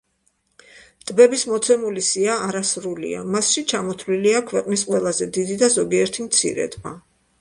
ტბების მოცემული სია არასრულია, მასში ჩამოთვლილია ქვეყნის ყველაზე დიდი და ზოგიერთი მცირე ტბა.